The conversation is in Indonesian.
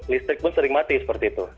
listrik pun sering mati seperti itu